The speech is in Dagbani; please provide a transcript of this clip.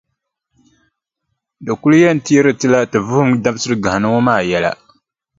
Di kuli yɛn teeri ti la ti vuhim dabisiʼ gahinda ŋɔ maa yɛla.